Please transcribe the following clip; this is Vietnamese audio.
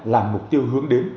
là mục tiêu hướng đến